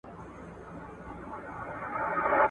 زه بايد کارونه وکړم